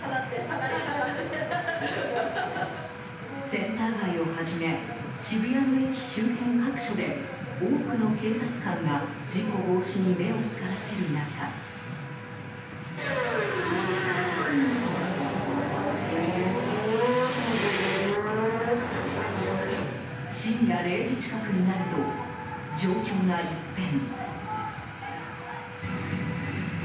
センター街をはじめ渋谷の駅周辺各所で多くの警察官が事故防止に目を光らせる中深夜０時近くになると状況が一変。